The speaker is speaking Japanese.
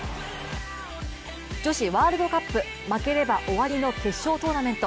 女子ワールドカップ負ければ終わりの決勝トーナメント。